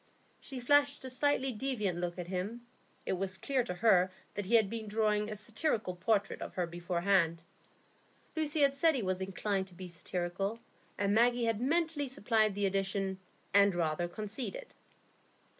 She flashed a slightly defiant look at him; it was clear to her that he had been drawing a satirical portrait of her beforehand. Lucy had said he was inclined to be satirical, and Maggie had mentally supplied the addition, "and rather conceited."